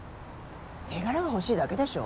手柄が欲しいだけでしょ。